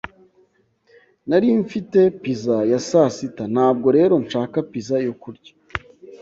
Nari mfite pizza ya sasita, ntabwo rero nshaka pizza yo kurya.